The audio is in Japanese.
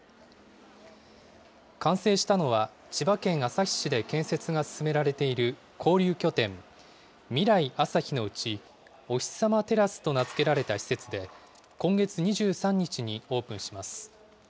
完成したのは、千葉県旭市で建設が進められている交流拠点みらいあさひのうち、おひさまテラスと名付けられた施設で、今月２３日にオープンします。